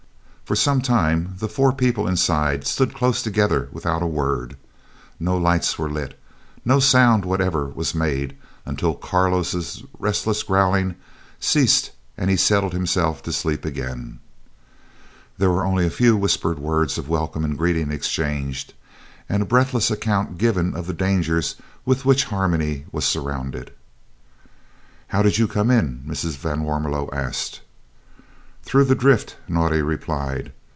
For some time the four people inside stood close together without a word. No lights were lit, no sound whatever made until Carlo's restless growlings ceased and he had settled himself to sleep again. Then only were a few whispered words of welcome and greeting exchanged and a breathless account given of the dangers with which Harmony was surrounded. "How did you come in?" Mrs. van Warmelo asked. "Through the drift," Naudé replied.